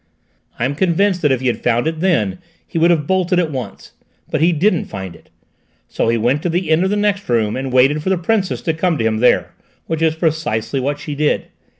I am convinced that if he had found it then he would have bolted at once. But he didn't find it. So he went to the end of the next room and waited for the Princess to come to him there, which is precisely what she did.